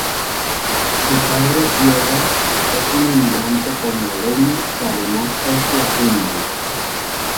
Su padre, Pierre, es un inmigrante congoleño que además es su agente.